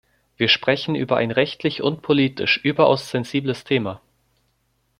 Wir sprechen über ein rechtlich und politisch überaus sensibles Thema.